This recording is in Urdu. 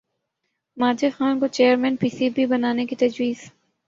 ماجد خان کو چیئرمین پی سی بی بنانے کی تجویز